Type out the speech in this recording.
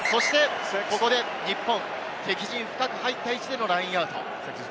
ここで日本、敵陣深く入った位置でのラインアウト。